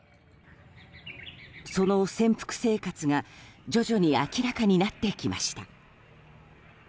その潜伏生活が徐々に明らかになってきました。